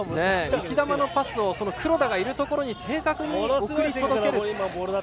浮き球のパスを黒田がいるところに正確に送り出したという。